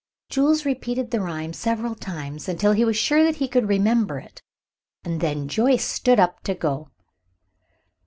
Jules repeated the rhyme several times, until he was sure that he could remember it, and then Joyce stood up to go.